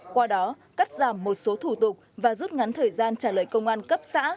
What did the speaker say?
qua đó cắt giảm một số thủ tục và rút ngắn thời gian trả lời công an cấp xã